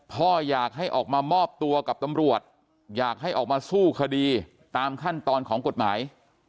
พ่ออยากให้ออกมามอบตัวกับตำรวจอยากให้ออกมาสู้คดีตามขั้นตอนของกฎหมาย